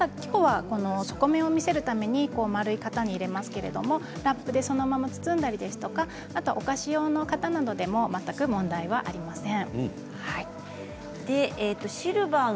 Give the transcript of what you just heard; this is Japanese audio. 底面を見せるために円い型に入れますけどラップで包んだりあとお菓子用の型などでも全く問題はありません。